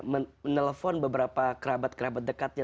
menelpon beberapa kerabat kerabat dekatnya